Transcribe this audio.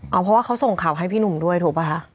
เอาเพราะว่าเขาส่งข่าวให้พี่หนุ่มด้วยถูกป่ะคะ